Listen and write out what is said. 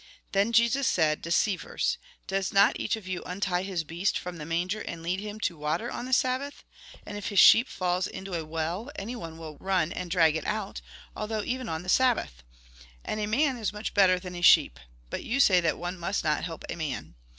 Then Jesus said :" De ceivers ! Does not each of you untie his beast from the manger and lead him to water on the Sabbath ? And if his sheep falls into a well, anyone will run and drag it out, although even on the Sabbath. And a man is much better than a sheep. But you say that one must not help a man.